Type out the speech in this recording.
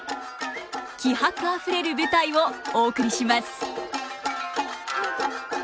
気迫あふれる舞台をお送りします。